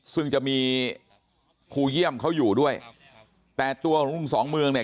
ซึ่งจะมีครูเยี่ยมเขาอยู่ด้วยแต่ตัวของลุงสองเมืองเนี่ย